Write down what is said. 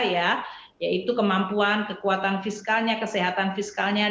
yaitu kemampuan kekuatan fiskalnya kesehatan fiskalnya